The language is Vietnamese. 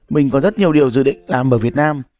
mình có rất nhiều điều dự định làm ở việt nam